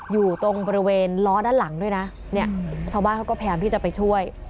อยู่ตรงบริเวณล้อด้านหลังด้วยนะเนี่ยชาวบ้านเขาก็พยายามที่จะไปช่วย